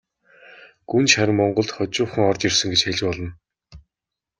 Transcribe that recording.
Гүнж харин монголд хожуухан орж ирсэн гэж хэлж болно.